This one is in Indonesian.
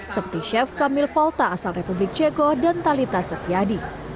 seperti chef kamil falta asal republik ceko dan talita setiadi